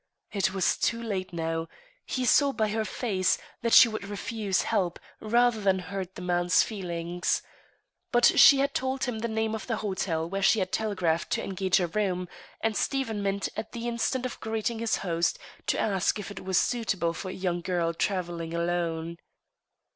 It was too late now. He saw by her face that she would refuse help, rather than hurt the man's feelings. But she had told him the name of the hotel where she had telegraphed to engage a room, and Stephen meant at the instant of greeting his host, to ask if it were suitable for a young girl travelling alone.